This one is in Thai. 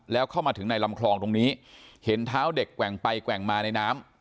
แล้วเข้ามาถึงในลำคลองตรงนี้เห็นเท้าเด็กแกว่งไปแกว่งมาในน้ำ